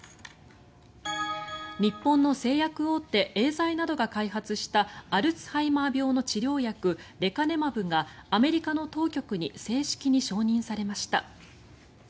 日本の製薬大手エーザイなどが開発したアルツハイマー病の治療薬レカネマブがアメリカの当局に正式に承認されました。